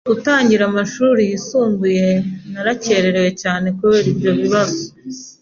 Gutangira amashuri yisumbuye narakererewe cyane kubera ibyo bibazo